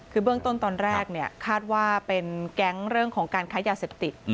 คือเบื้องต้นตอนแรกคาดว่าเป็นแก๊งเรื่องของการค้ายาเสพติด